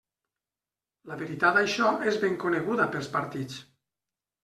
La veritat d'això és ben coneguda pels partits.